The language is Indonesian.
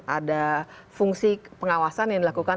ada fungsi pengawasan yang dilakukan